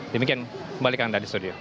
demikian kembalikan anda di studio